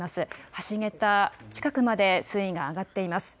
橋桁近くまで水位が上がっています。